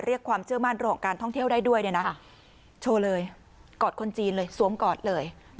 เรียกความเชื่อมั่นโรงการท่องเที่ยวได้ด้วยโชว์เลยกอดคนจีนเลยสวมกอดเลย